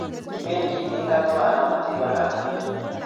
Kipendi tinga twan raa matinbakaktan